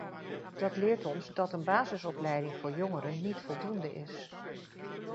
Dat leert ons dat een basisopleiding voor jongeren niet voldoende is.